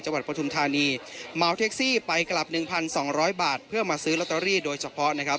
จังหวัดปฐุมธานีเมริกาเวียดมาเท็คซี่ไปกลับ๑๒๐๐บาทเพื่อมาซื้อโลตเตอรี่โดยเฉพาะนะครับ